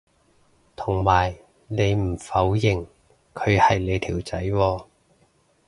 同埋你唔否認佢係你條仔喎